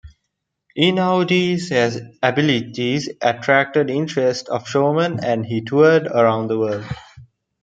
Inaudi's abilities attracted interest of showmen and he toured around the world.